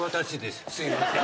すいません。